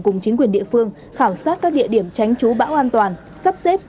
cùng chính quyền địa phương khảo sát các địa điểm tránh trú bão an toàn sắp xếp